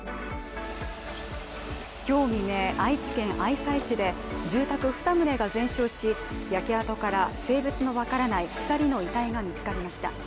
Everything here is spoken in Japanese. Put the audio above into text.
今日未明、愛知県愛西市で住宅２棟が全焼し焼け跡から、性別の分からない２人の遺体が見つかりました。